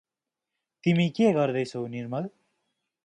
तिमी के गर्दै छौ निर्मल?